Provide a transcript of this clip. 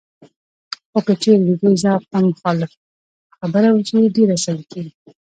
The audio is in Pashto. خو که چېرې د دوی ذوق ته مخالف خبره وشي، ډېر عصبي کېږي